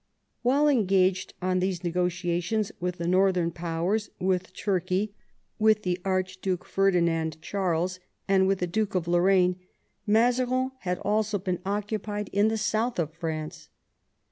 While engaged on these negotiations with the northern powers, with Turkey, with the Archduke Ferdinand Charles, and with the Duke of Lorraine, Mazarin had also been occupied in the south of France.